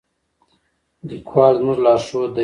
لیکوال زموږ لارښود دی.